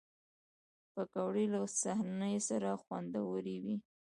پکورې له صحنه سره خوندورې وي